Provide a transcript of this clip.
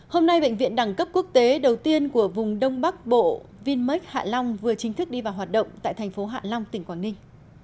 hôm nay bệnh viện đẳng cấp quốc tế đầu tiên của vùng đông bắc bộ vinmec hạ long vừa chính thức đi vào hoạt động tại thành phố hạ long tỉnh quảng ninh